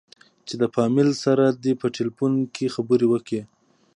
چې د فاميل سره دې په ټېلفون کښې خبرې وکې.